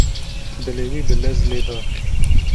Dilê wî bi lez lê da.